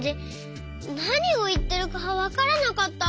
なにをいってるかわからなかった。